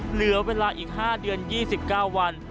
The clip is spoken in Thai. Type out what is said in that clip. เหลือเวลาอีก๕เดือน๒๙วัน